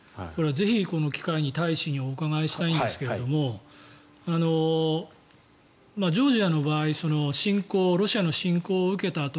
これはぜひ、この機会に大使にお伺いしたいんですがジョージアの場合ロシアの侵攻を受けた